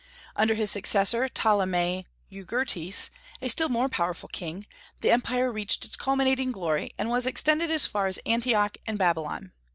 Under his successor, Ptolemy Euergetes, a still more powerful king, the empire reached its culminating glory, and was extended as far as Antioch and Babylon.